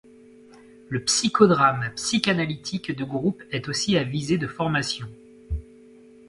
Le psychodrame psychanalytique de groupe est aussi à visée de formation.